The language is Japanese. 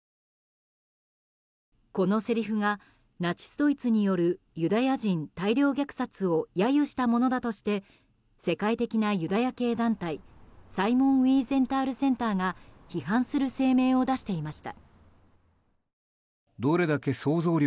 このセリフがナチスドイツによるユダヤ人大量虐殺を揶揄したものだとして世界的なユダヤ系団体サイモン・ウィーゼンタール・センターが批判する声明を出していました。